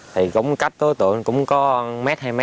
thì cũng cách tối tượng cũng có một m hai m